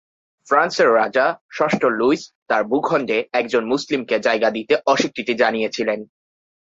ফ্রান্সের রাজা ষষ্ঠ লুইস তার ভূখন্ডে একজন মুসলিমকে জায়গা দিতে অস্বীকৃতি জানিয়েছিলেন।